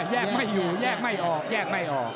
แยกไม่อยู่แยกไม่ออก